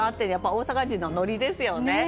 大阪人のノリですよね。